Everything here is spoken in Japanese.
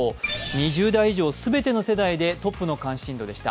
２０代以上全ての世代でトップの関心度でした。